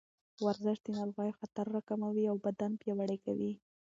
ورزش د ناروغیو خطر راکموي او بدن پیاوړی کوي.